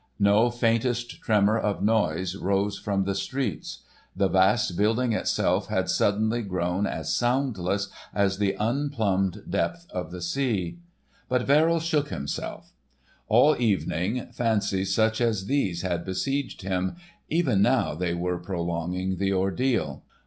No faintest tremor of noise rose from the streets. The vast building itself had suddenly grown as soundless as the unplumbed depth of the sea. But Verrill shook himself; all evening fancies such as these had besieged him, even now they were prolonging the ordeal.